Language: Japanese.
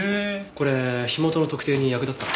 これ火元の特定に役立つかな？